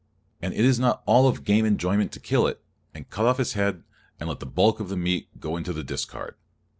And it is not all of game enjoyment to kill it, and cut off its head, and let the bulk of the meat go into the discard.